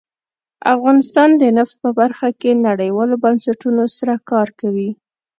افغانستان د نفت په برخه کې نړیوالو بنسټونو سره کار کوي.